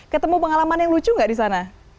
ketemu pengalaman yang lucu nggak di sana